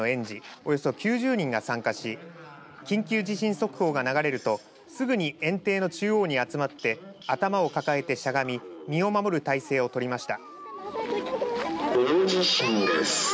およそ９０人が参加し緊急地震速報が流れるとすぐに園庭の中央に集まって頭を抱えてしゃがみ身を守る体勢をとりました。